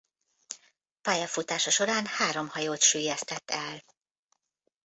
Pályafutása során három hajót süllyesztett el.